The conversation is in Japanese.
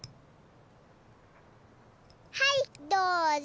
はいどうぞ！